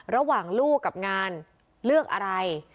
ระหว่างลูกกับงานเลือกอะไร